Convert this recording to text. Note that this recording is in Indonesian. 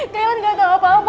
kaila gak tau apa apa